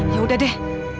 ya udah deh